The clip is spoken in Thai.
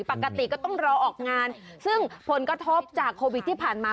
ปกติก็ต้องรอออกงานซึ่งผลกระทบจากโควิดที่ผ่านมา